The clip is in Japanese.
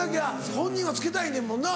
本人はつけたいねんもんな。